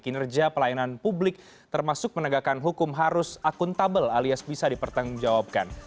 kinerja pelayanan publik termasuk penegakan hukum harus akuntabel alias bisa dipertanggungjawabkan